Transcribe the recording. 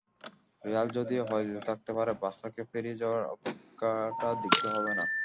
Real যদি অপরাজিত থাকতে পারে, বার্সাকে পেরিয়ে যাওয়ার অপেক্ষাটা দীর্ঘ হবে না।